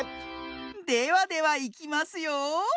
ではではいきますよ。